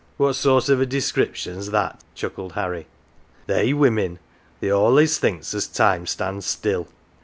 What sort of a description's that ?" chuckled Harry. " They women, they all'ays thinks as time stands still.